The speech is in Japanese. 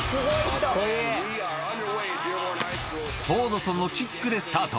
フォードソンのキックでスタート